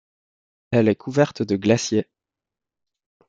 Elle est couverte de glaciers.